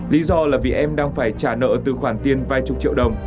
lý do là vì em đang phải trả nợ từ khoản tiền vài chục triệu đồng